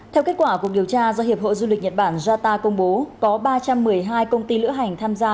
theo kết quả cuộc điều tra do hiệp hội du lịch nhật bản jta công bố có ba trăm một mươi hai công ty lữ hành tham gia